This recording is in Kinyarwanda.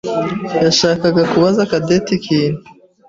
yashakaga kubaza Cadette ikintu.